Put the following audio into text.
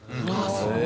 すごい！